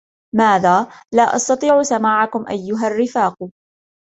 ماذا ؟ لا أستطيع سماعكم أيها الرفاق.